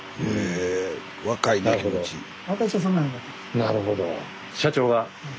なるほど。